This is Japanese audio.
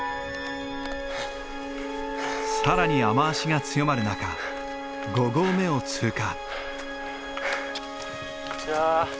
更に雨足が強まる中５合目を通過。